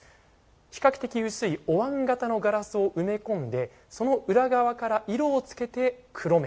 比較的薄いおわん形のガラスを埋め込んでその裏側から色をつけて黒目。